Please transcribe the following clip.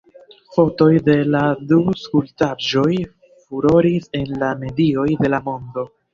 Fotoj de la du skulptaĵoj furoris en la medioj de la mondo.